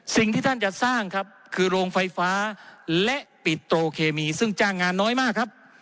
สิ่งที่ท่านจะสร้างครับคือโรงไฟฟ้าและปิดโตเคมีซึ่งจ้างงานน้อยมากครับ